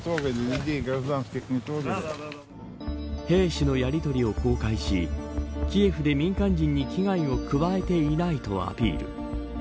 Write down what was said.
兵士のやりとりを公開しキエフで民間人に危害を加えていないとアピール。